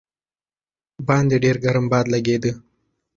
باندې ډېر ګرم باد لګېده.